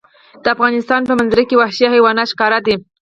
د افغانستان په منظره کې وحشي حیوانات ښکاره ده.